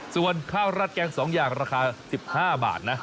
ส่วนข้าวรัดแกง๒อย่างราคา๑๕บาทนะ